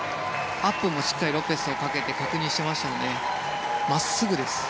アップもしっかりロペスをかけて確認しましたので真っすぐです。